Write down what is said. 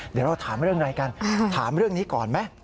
เดี๋ยวเราถามเรื่องอะไรกันถามเรื่องนี้ก่อนไหม